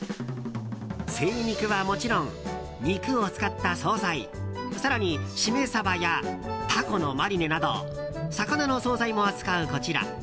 精肉はもちろん肉を使った総菜更にシメサバやタコのマリネなど魚の総菜も扱うこちら。